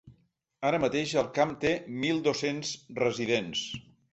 Ara mateix, el camp té mil dos-cents residents.